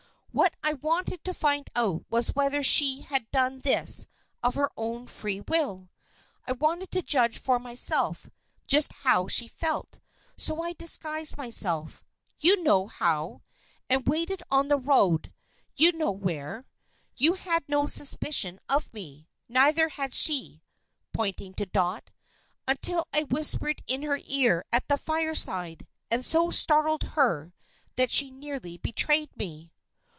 What I wanted to find out was whether she had done this of her own free will. I wanted to judge for myself just how she felt, so I disguised myself you know how; and waited on the road you know where. You had no suspicion of me; neither had she," pointing to Dot, "until I whispered in her ear at the fireside, and so startled her that she nearly betrayed me."